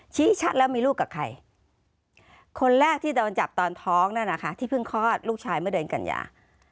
ชี้ชัดแล้วมีลูกกับใครคนแรกที่โดนจับตอนท้องนั่นนะคะที่เพิ่งคลอดลูกชายเมื่อเดือนกัญญา